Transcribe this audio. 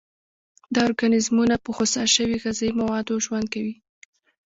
دا ارګانیزمونه په خوسا شوي غذایي موادو ژوند کوي.